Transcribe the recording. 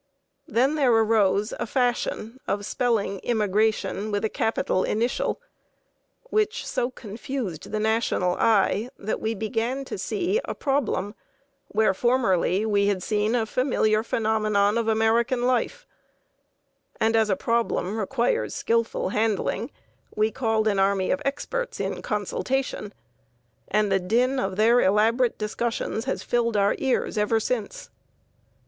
Then there arose a fashion of spelling immigration with a capital initial, which so confused the national eye that we began to see a PROBLEM where formerly we had seen a familiar phenomenon of American life; and as a problem requires skillful handling, we called an army of experts in consultation, and the din of their elaborate discussions has filled our ears ever since.